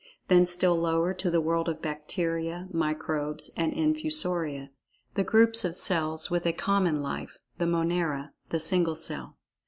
Then still lower to the world of bacteria, microbes, and[Pg 35] infusoria—the groups of cells with a common life—the monera—the single cell.